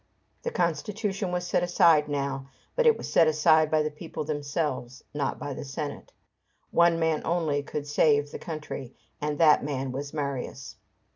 The constitution was set aside now, but it was set aside by the people themselves, not by the Senate. One man only could save the country, and that man was Marius.